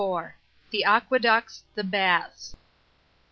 — THE AQUEDUCTS. THE BATHS.